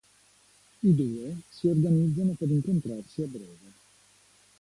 I due si organizzano per incontrarsi a breve.